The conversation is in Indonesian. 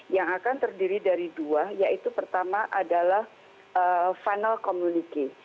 yang akan terdiri dari dua yaitu pertama adalah final community